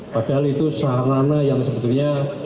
padahal itu sarana yang sebetulnya